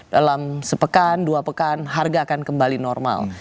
dalam sepekan dua pekan harga akan kembali normal